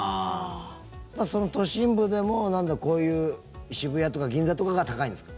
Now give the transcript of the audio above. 都心部でもこういう渋谷とか銀座とかが高いんですか？